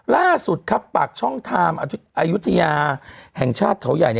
ล่าสุดครับปากช่องไทม์อายุทยาแห่งชาติเขาใหญ่